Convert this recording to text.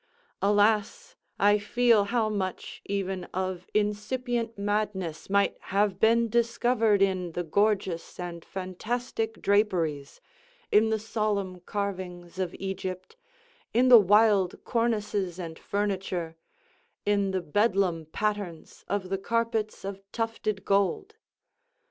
Alas, I feel how much even of incipient madness might have been discovered in the gorgeous and fantastic draperies, in the solemn carvings of Egypt, in the wild cornices and furniture, in the Bedlam patterns of the carpets of tufted gold!